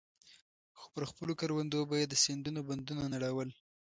خو پر خپلو کروندو به يې د سيندونو بندونه نړول.